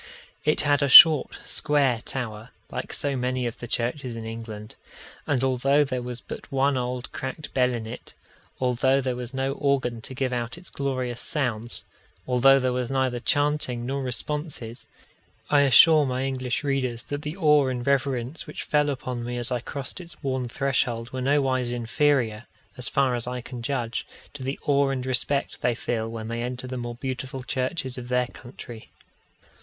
It had a short square tower, like so many of the churches in England; and although there was but one old cracked bell in it, although there was no organ to give out its glorious sounds, although there was neither chanting nor responses, I assure my English readers that the awe and reverence which fell upon me as I crossed its worn threshold were nowise inferior, as far as I can judge, to the awe and respect they feel when they enter the more beautiful churches of their country.